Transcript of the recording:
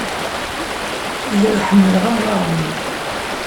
Lliɣ ḥemmleɣ amɣar-nni.